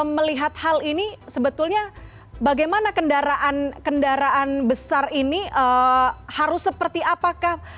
melihat hal ini sebetulnya bagaimana kendaraan kendaraan besar ini harus seperti apakah